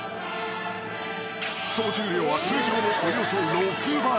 ［総重量は通常のおよそ６倍］